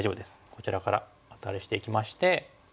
こちらからアタリしていきまして。